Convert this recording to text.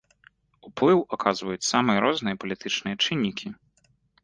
Уплыў аказваюць самыя розныя палітычныя чыннікі.